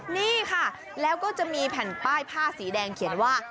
นี่ค่ะแล้วก็จะมีแผ่นป้ายผ้าสีแดงเขียนว่า